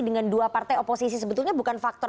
dengan dua partai oposisi sebetulnya bukan faktor